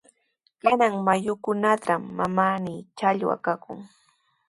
Kanan mayukunatraw mananami challwa kanku.